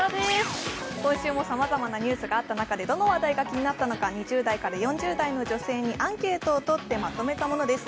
今週もさまざまなニュースがあった中、どの話題が気になったのか２０代から４０代の女性にアンケートを取ってまとめたものです。